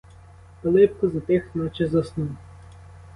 Пилипко затих, наче заснув.